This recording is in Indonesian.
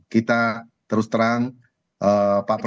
kita terus terang pak prabowo sangat menghormati